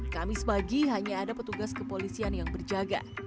kamis pagi hanya ada petugas kepolisian yang berjaga